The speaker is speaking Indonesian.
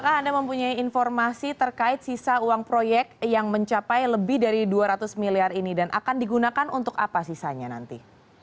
apakah anda mempunyai informasi terkait sisa uang proyek yang mencapai lebih dari dua ratus miliar ini dan akan digunakan untuk apa sisanya nanti